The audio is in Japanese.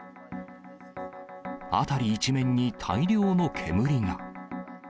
辺り一面に大量の煙が。